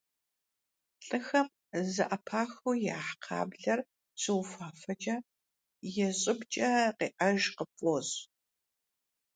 Лӏыхэм зэӏэпахыу яхь кхъаблэр щыуфафэкӏэ, и щӏыбкӏэ къеӏэж къыпфӏощӏ.